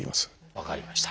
分かりました。